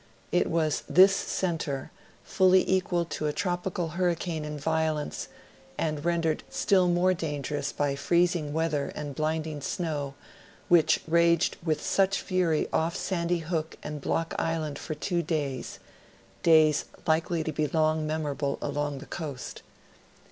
It was this center, fully equal to a tropical hur ricane in violence, and rendered still more dangerous by freezing weather and blinding snow, which raged with such fury off Sandy Hook and Block Island for two days, — days likely to be long mem orable along the coast.